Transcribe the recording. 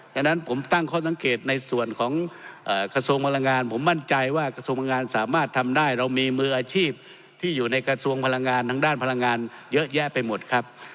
ฉะนั้นผมตั้งข้อสังเกตในส่วนของกระทรวงพลังงานผมมั่นใจว่ากระทรวงพลังงานสามารถทำได้เรามีมืออาชีพที่อยู่ในกระทรวงพลังงานทางด้านพลังงานเยอะแยะไปหมดครับ